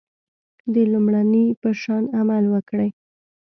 د لومړني په شان عمل وکړئ.